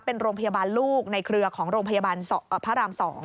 เป็นโรงพยาบาลลูกในเครือของโรงพยาบาลพระราม๒